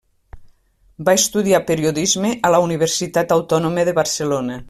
Va estudiar periodisme a la Universitat Autònoma de Barcelona.